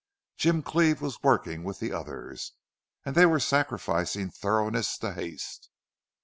Jim Cleve was working with the others, and they were sacrificing thoroughness to haste.